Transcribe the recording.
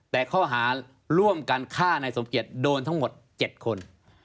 แต่ข้อหาร่วมกันค่าในทรพยศโดนทั้งหมดเจ็ดคน